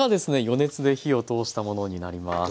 余熱で火を通したものになります。